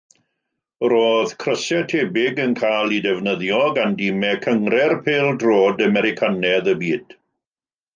Roedd crysau tebyg yn cael eu defnyddio gan dimau Cynghrair Pêl-droed Americanaidd y Byd.